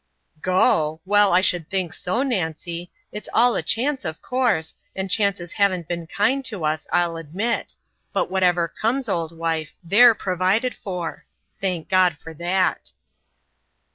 "Go! Well, I should think so, Nancy. It's all a chance, of course, and, chances haven't been kind to us, I'll admit but whatever comes, old wife, they're provided for. Thank God for that!"